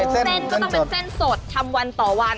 เส้นก็ต้องเป็นเส้นสดทำวันต่อวัน